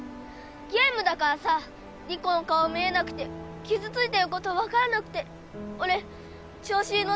ゲームだからさリコの顔見えなくて傷ついてることわからなくてオレ調子にのってきついこと言った。